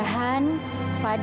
mama dazu sudah pergi